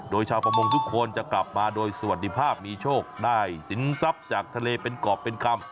โดยชาวประมงทุกคนจะกลับมาโดยสวัสดีภาพมีโชคได้สินทรัพย์จากทะเลเป็นกรอบเป็นกรรม